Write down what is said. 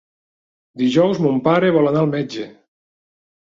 Dijous mon pare vol anar al metge.